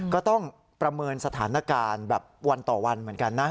ก็ต้องประเมินสถานการณ์แบบวันต่อวันเหมือนกันนะ